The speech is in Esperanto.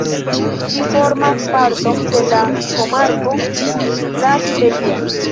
Ĝi formas parton de la komarko La Siberia.